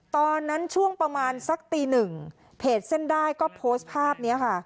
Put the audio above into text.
ตอนนั้นช่วงประมาณสักตีหนึ่งเพจเส้นได้ก็โพสต์ภาพนี้ค่ะ